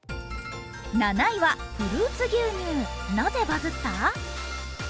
７位はフルーツ牛乳、なぜバズった？